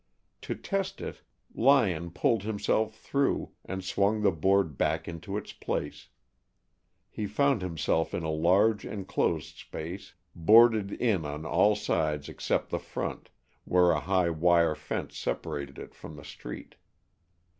To test it, Lyon pulled himself through, and swung the board back into its place. He found himself in a large enclosed space, boarded in on all sides except the front, where a high wire fence separated it from the street.